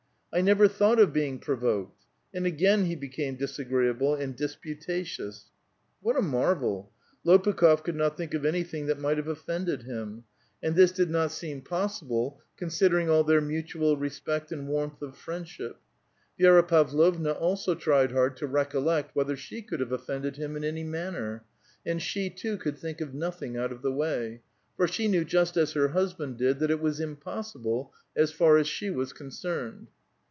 *' I never thought of being provoked." And again he be came disagreeable and disputatious. What a marvel ! I^pnkh6f could not think of anything that might have offended him ; and this did not seem possi 204 A VITAL QUESTION. ble, considering all their mutual respect and warmth of friend sliip, Vi^ra Tavlovna also tried hard to recollect whether she could have oH'ended him in any manner, and she, too, could think of nothing out ol* the way ; for she knew, just as her husband did, that it was impossible, as far as she was concerned.